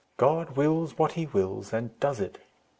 God wills what He wills, and does it.